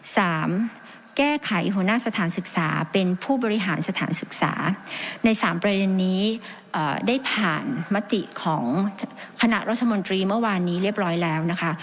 สามแก้ไขหัวหน้าสถานศึกษาเป็นผู้บริหารสถานศึกษาในสามประเด็นนี้ได้ผ่านมติของคณะรัฐมนตรีเมื่อวานนี้เรียบร้อยแล้วนะคะ